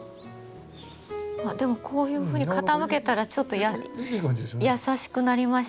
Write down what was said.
あっでもこういうふうに傾けたらちょっと優しくなりました。